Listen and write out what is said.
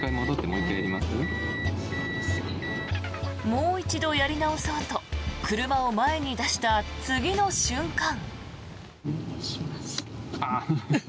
もう一度やり直そうと車を前に出した次の瞬間。